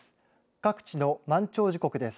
各地の満潮時刻です。